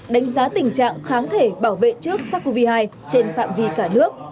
đánh giá tình trạng kháng thể bảo vệ trước sars cov hai trên phạm vi cả nước